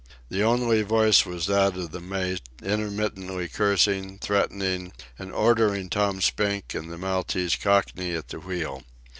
The only voice was that of the mate, intermittently cursing, threatening, and ordering Tom Spink and the Maltese Cockney at the wheel.